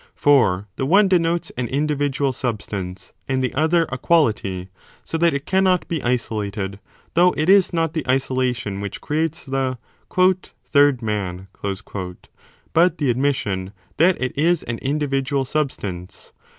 For the one denotes an individual substance and the other a quality, so that it cannot be isolated ; though it is not the isolation which creates the third man , but the admission that it is an individual substance.